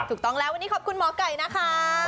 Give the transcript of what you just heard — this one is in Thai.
ถูกต้องแล้ววันนี้ขอบคุณหมอไก่นะคะ